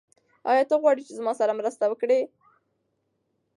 ایا ته غواړې چې زما سره مرسته وکړې؟